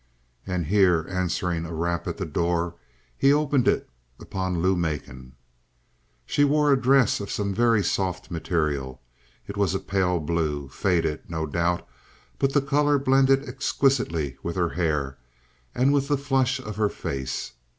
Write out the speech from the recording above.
And here, answering a rap at the door, he opened it upon Lou Macon. She wore a dress of some very soft material. It was a pale blue faded, no doubt but the color blended exquisitely with her hair and with the flush of her face.